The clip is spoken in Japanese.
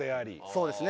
そうですね。